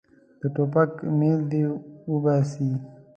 د ټوپک میل دې وباسي.